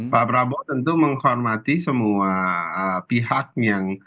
pak prabowo tentu menghormati semua pihak yang